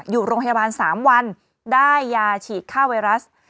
อยู่โรงพยาบาล๓วันได้ยาฉีดฆ่าไวรัส